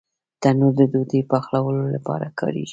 تنور د ډوډۍ پخولو لپاره کارېږي